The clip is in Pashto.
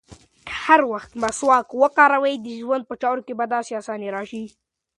که هر وخت مسواک وکاروې، د ژوند په چارو کې به دې اساني راشي.